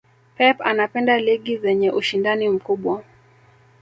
pep anapenda ligi zenye ushindani mkubwa